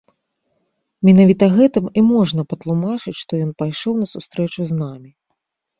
Менавіта гэтым і можна патлумачыць, што ён пайшоў на сустрэчу з намі.